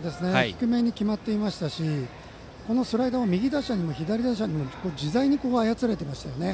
低めに決まっていましたしこのスライダーを右打者にも左打者にも自在に操れていましたね。